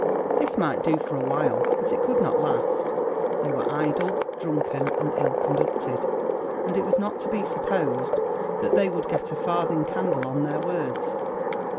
This might do for a while, but it could not last. They were idle, drunken, and ill conducted; and it was not to be supposed that they would get a farthing candle on their words.